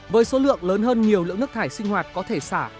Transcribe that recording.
với số lượng lớn hơn nhiều lượng nước thải sinh hoạt có thể xả